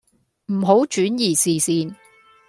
唔好轉移視線